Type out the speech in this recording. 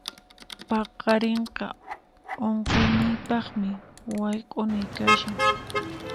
Paqarinqa unquqniypaqmi wayk'unay kashan.